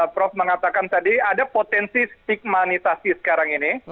prof mengatakan tadi ada potensi stigmanisasi sekarang ini